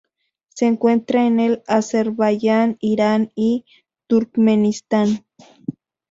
Se encuentra en el Azerbaiyán, Irán y Turkmenistán.